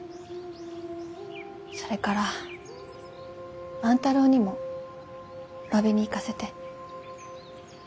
それから万太郎にもわびに行かせて。